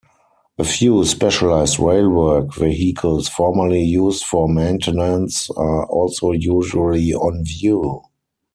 A few specialized railwork vehicles formerly used for maintenance are also usually on view.